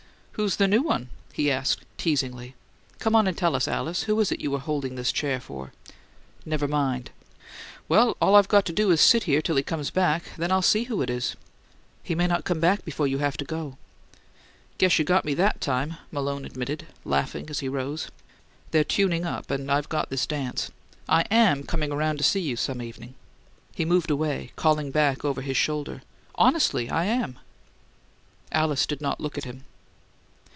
"Who's the new one?" he asked, teasingly. "Come on and tell us, Alice. Who is it you were holding this chair for?" "Never mind." "Well, all I've got to do is to sit here till he comes back; then I'll see who it is." "He may not come back before you have to go." "Guess you got me THAT time," Malone admitted, laughing as he rose. "They're tuning up, and I've got this dance. I AM coming around to see you some evening." He moved away, calling back over his shoulder, "Honestly, I am!" Alice did not look at him.